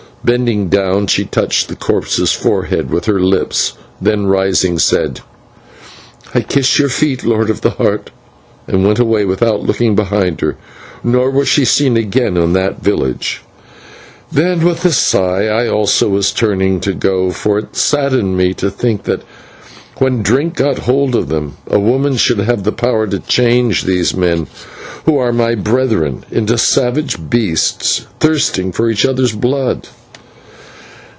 Bending down, she touched the corpse's forehead with her lips, then, rising, said: "I kiss your feet, Lord of the Heart," and went away without looking behind her, nor was she seen again in that village. Then, with a sigh, I also was turning to go, for it saddened me to think that when drink got hold of them, a woman should have the power to change these men, who were my brethren, into savage beasts thirsting for each other's blood.